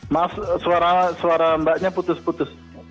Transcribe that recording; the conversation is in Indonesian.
mas suara mbaknya putus putus